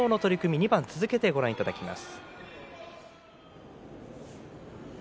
２番続けてご覧いただきます。